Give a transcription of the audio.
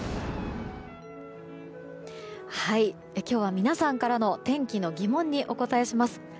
今日は皆さんからの天気の疑問にお答えします。